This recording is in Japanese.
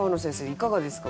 いかがですか？